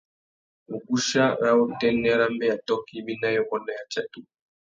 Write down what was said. Wuguchia râ utênê râ mbeya tôkô ibi na yôbôt na yatsatu.